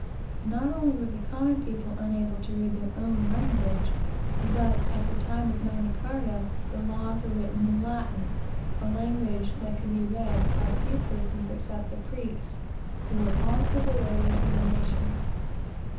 Not only were the common people unable to read their own language, but, at the time of Magna Carta, the laws were written in Latin, a language that could be read by few persons except the priests, who were also the lawyers of the nation.